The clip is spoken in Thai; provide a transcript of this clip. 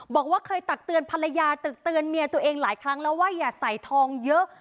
บอกว่าเคยตักเตือนภรรยาตึกเตือนเมียตัวเองหลายครั้งแล้วว่าอย่าใส่ทองเยอะ